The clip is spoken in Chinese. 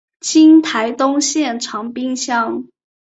今台东县长滨乡。